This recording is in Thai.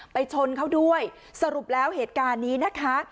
ชนเขาด้วยสรุปแล้วเหตุการณ์นี้นะคะ